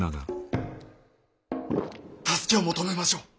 助けを求めましょう！